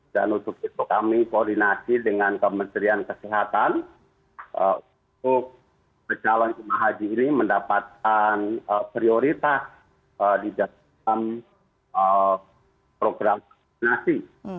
dan untuk itu kami koordinasi dengan kementerian kesehatan untuk calon jemaah haji ini mendapatkan prioritas di dalam program vaksinasi